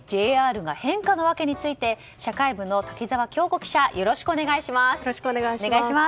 ＪＲが変化のワケについて社会部の滝沢教子記者よろしくお願いします。